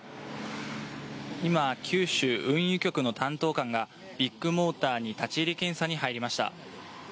今、九州運輸局の担当官がビッグモーターに立ち入り検査に入りました。